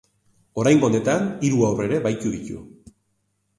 Oraingo honetan hiru haur ere bahitu ditu.